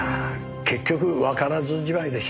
結局わからずじまいでした。